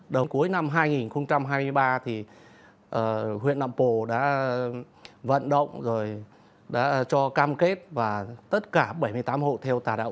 đầu cuối năm hai nghìn hai mươi ba thì huyện nạm bồ đã vận động rồi đã cho cam kết và tất cả bảy mươi tám hộ theo tà đạo